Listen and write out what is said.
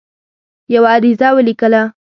یوه عریضه ولیکله.